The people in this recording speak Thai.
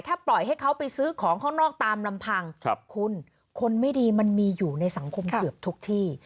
ถ้าปล่อยให้เขาไปซื้อของข้างนอกตามลำพังคุณคนไม่ดีมันมีอยู่ในสังคมเกือบทุกที่